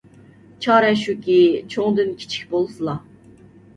چارە شۇكى، چوڭدىن كىچىك بولسىلا.